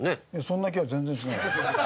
そんな気は全然しないよ。